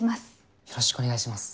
よろしくお願いします。